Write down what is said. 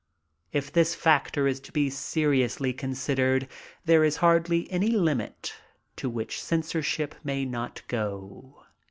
If this factor is to be seriously considered, there is hardly any limit to which censorship may not go."